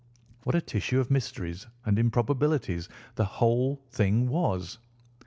What a tissue of mysteries and improbabilities the whole thing was!